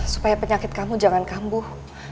supaya penyakit kamu jangan kambuh